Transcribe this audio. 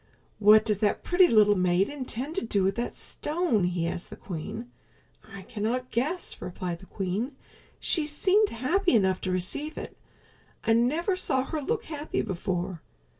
"What does that pretty little maid intend to do with that stone?" he asked the queen. "I cannot guess," replied the queen. "She seemed happy enough to receive it. I never saw her look happy before.